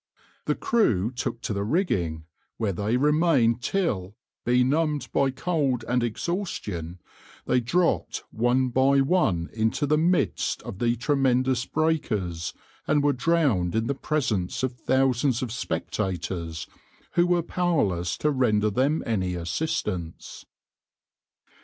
The crew took to the rigging, where they remained till, benumbed by cold and exhaustion, they dropped one by one into the midst of the tremendous breakers, and were drowned in the presence of thousands of spectators, who were powerless to render them any assistance.